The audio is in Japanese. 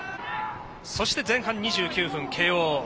そして、前半２９分慶応。